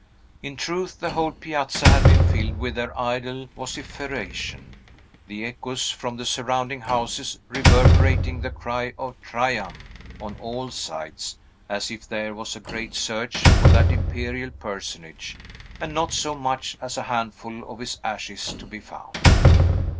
In truth, the whole piazza had been filled with their idle vociferation; the echoes from the surrounding houses reverberating the cry of "Trajan," on all sides; as if there was a great search for that imperial personage, and not so much as a handful of his ashes to be found.